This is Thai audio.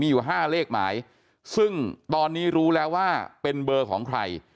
อยู่๕เลขหมายซึ่งตอนนี้รู้แล้วว่าเป็นเบอร์ของใคร